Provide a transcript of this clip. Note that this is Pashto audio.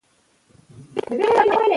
عامه شتمني د ولس مال دی.